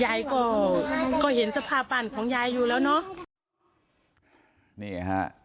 ยายก็ก็เห็นสภาพบ้านของยายอยู่แล้วเนอะนี่ฮะ